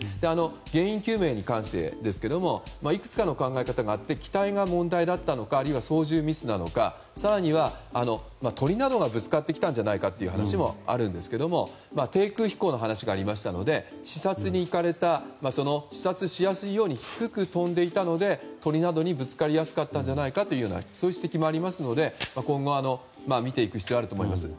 原因究明に関してですがいくつかありまして操縦ミスだったのか更には鳥などがぶつかってきたんじゃないかという話がありましたけど低空飛行の話がありましたので視察に行かれた視察しやすいように低く飛んでいたので鳥などにぶつかりやすかったんじゃないかという指摘もありますので今後は見ていく必要があると思います。